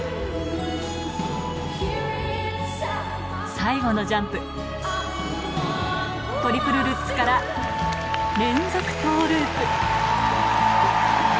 最後のジャンプトリプルルッツから連続トウループ